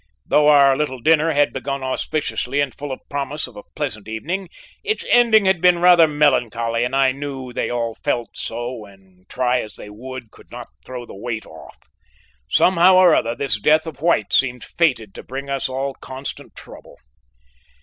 Though our little dinner had begun auspiciously and full of promise of a pleasant evening, its ending had been rather melancholy and I knew they all felt so and, try as they would, could not throw the weight off. Somehow or other, this death of White seemed fated to bring us all constant trouble.